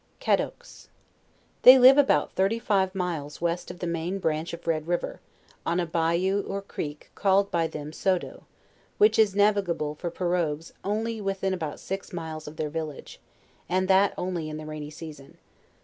CADDOQUES. They live about thirty five miles west of the main branch of Red river, on a bayou or creek called by them Sodo, which is navigable for perOgues only within about eix miles of their village, and that only in the rainy season.